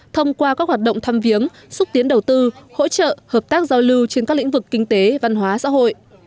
thông qua các hoạt động thăm viếng xúc tiến đầu tư hỗ trợ hợp tác giao lưu trên các lĩnh vực kinh tế văn hóa xã hội